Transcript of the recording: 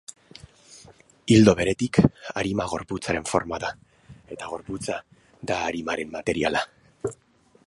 Ildo beretik, arima gorputzaren forma da, eta gorputza da arimaren materiala.